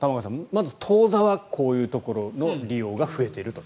まず当座はこういうところの利用が増えていると。